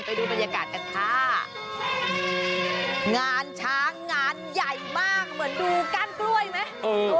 ไปดูบรรยากาศกันค่ะงานช้างงานใหญ่มากเหมือนดูก้านกล้วยไหม